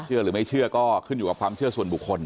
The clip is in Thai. หรือไม่เชื่อก็ขึ้นอยู่กับความเชื่อส่วนบุคคล